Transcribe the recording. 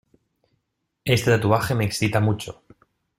Este tatuaje me excita mucho.